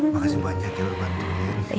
makasih banyak ya lo bantuin